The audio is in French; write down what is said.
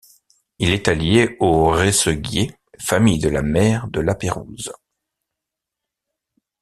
Il est allié aux Resseguier, famille de la mère de Lapérouse.